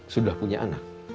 sudah punya anak